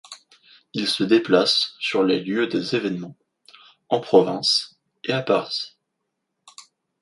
Il se déplace sur le lieu des évènements, en province et à Paris.